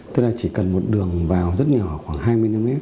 tức là chỉ cần một đường vào rất nhỏ khoảng hai mươi mm